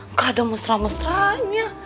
gak ada musrah musrahnya